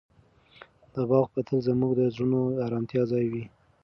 دا باغ به تل زموږ د زړونو د ارامتیا ځای وي.